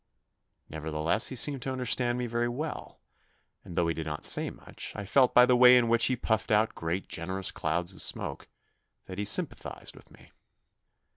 Nevertheless he seemed to understand me very well, and though he did not say much, I felt by the way in which he puffed out great, generous clouds of smoke, that he sympathised with me.